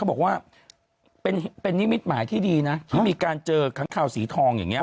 บอกว่าเป็นนิมิตหมายที่ดีนะที่มีการเจอค้างคาวสีทองอย่างนี้